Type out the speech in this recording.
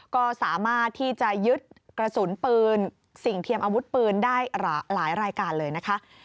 ก็สามารถที่จะยึดกระสุนปืนสิ่งเทียมอาวุธปืนได้หลายรายการเลยนะคะ